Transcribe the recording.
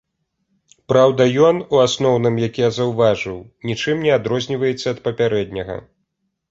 Праўда, ён, у асноўным, як я заўважыў, нічым не адрозніваецца ад папярэдняга.